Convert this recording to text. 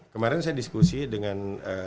kemarin saya diskusi dengan